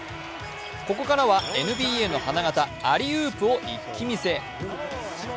ここからはＮＢＡの花形・アリウープを一気見せ。